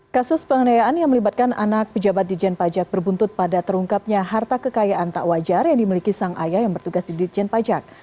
kasus pengenayaan yang melibatkan anak pejabat di jen pajak berbuntut pada terungkapnya harta kekayaan tak wajar yang dimiliki sang ayah yang bertugas di dirjen pajak